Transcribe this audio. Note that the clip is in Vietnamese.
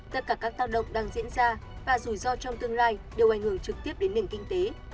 tất cả các tác động đang diễn ra và rủi ro trong tương lai đều ảnh hưởng trực tiếp đến nền kinh tế